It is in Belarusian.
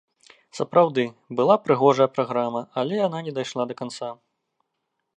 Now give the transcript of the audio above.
Сапраўды, была прыгожая праграма, але яна не дайшла да канца.